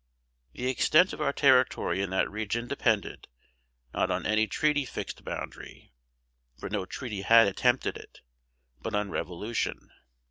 The extent of our territory in that region depended, not on any treaty fixed boundary (for no treaty had attempted it), but on revolution.